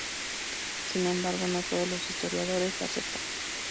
Sin embargo, no todos los historiadores lo aceptan.